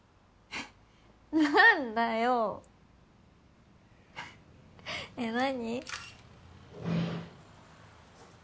何だよえっ何？